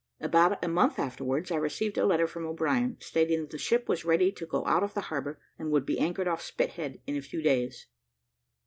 About a month afterwards I received a letter from O'Brien, stating that the ship was ready to go out of harbour, and would be anchored off Spithead in a few days.